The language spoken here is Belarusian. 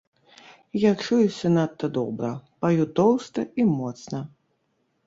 Я чуюся надта добра, паю тоўста і моцна.